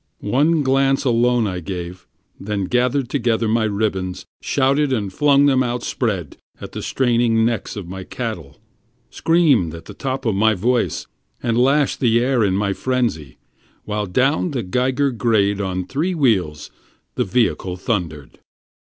One glance alone I gave, then gathered together my ribbons, Shouted, and flung them, outspread, on the straining necks of my cattle; Screamed at the top of my voice, and lashed the air in my frenzy, While down the Geiger Grade, on three wheels, the vehicle thundered.